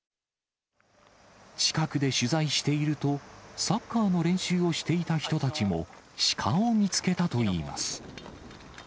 近くで取材していると、サッカーの練習をしていた人たちも、シカを見つけたといいます。